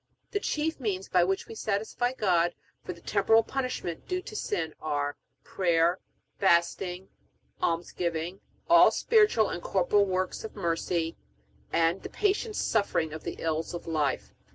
The chief means by which we satisfy God for the temporal punishment due to sin are: Prayer, Fasting, Almsgiving, all spiritual and corporal works of mercy, and the patient suffering of the ills of life.